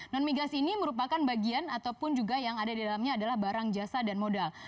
non migas ini merupakan bagian ataupun juga yang ada di dalamnya adalah barang jasa dan modal